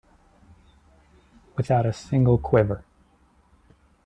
Without a single quiver.